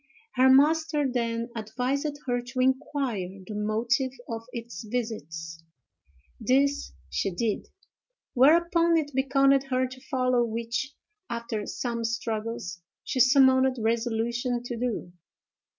Her master then advised her to inquire the motive of its visits. This she did: whereupon, it beckoned her to follow, which, after some struggles, she summoned resolution to do.